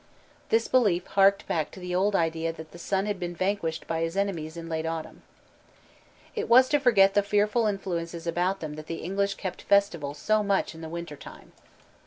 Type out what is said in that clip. This belief harked back to the old idea that the sun had been vanquished by his enemies in the late autumn. It was to forget the fearful influences about them that the English kept festival so much in the winter time.